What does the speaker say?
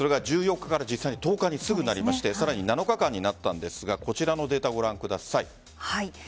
１４日から１０日にすぐなりましてさらに７日間になったんですがこちらのデータをご覧ください。